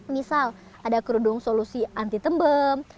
misal ada kerudung solusi anti tembem